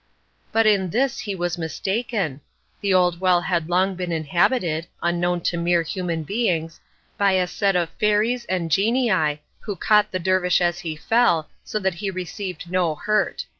But in this he was mistaken! The old well had long been inhabited (unknown to mere human beings) by a set of fairies and genii, who caught the dervish as he fell, so that he received no hurt.